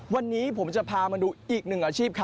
วันนี้ผมจะพามาดูอีกหนึ่งอาชีพครับ